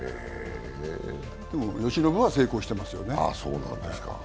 でも、由伸は成功していますよね。